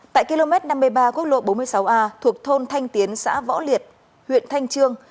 tại km năm mươi ba quốc lộ bốn mươi sáu a thuộc thôn thanh tiến xã võ liệt huyện thanh trương